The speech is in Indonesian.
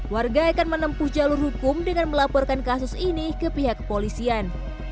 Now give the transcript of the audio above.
warga akan menempuh jalur hukum dengan melaporkan kasus ini ke pihak kepolisian